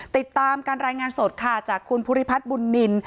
ติดตามการรายงานสดค่ะจากคุณภูริพัฒน์บุญนิน